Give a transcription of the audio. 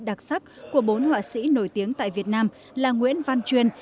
đặc sắc của bốn họa sĩ nổi tiếng tại việt nam là nguyễn văn truyền